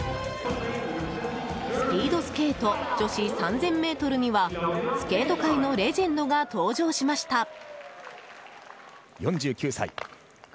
スピードスケート女子３０００ｍにはスケート界のレジェンドが登場しました。